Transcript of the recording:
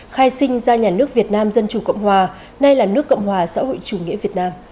khai sinh ra nhà nước việt nam dân chủ cộng hòa nay là nước cộng hòa xã hội chủ nghĩa việt nam